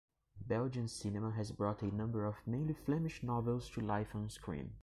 Belgian cinema has brought a number of mainly Flemish novels to life on-screen.